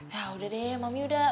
ya udah deh mami udah